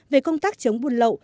về công tác chống buôn lậu